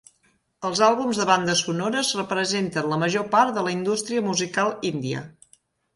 Els àlbums de bandes sonores representen la major part de la indústria musical índia.